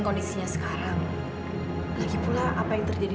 gue ini orang jahat ya